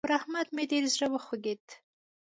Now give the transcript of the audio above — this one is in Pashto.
پر احمد مې ډېر زړه وخوږېد.